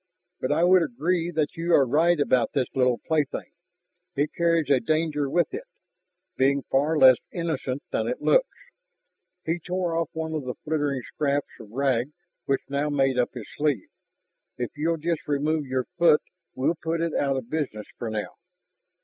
But I would agree that you are right about this little plaything; it carries a danger with it, being far less innocent than it looks." He tore off one of the fluttering scraps of rag which now made up his sleeve. "If you'll just remove your foot, we'll put it out of business for now."